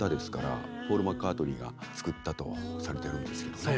ポール・マッカートニーが作ったとされてるんですけどね。